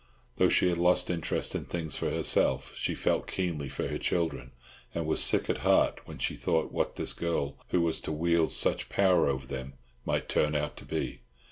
Though she had lost interest in things for herself, she felt keenly for her children, and was sick at heart when she thought what this girl, who was to wield such power over them, might turn out to be.